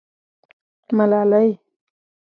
_ملالۍ.